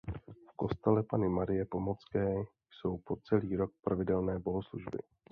V kostele Panny Marie Pomocné jsou po celý rok pravidelné bohoslužby.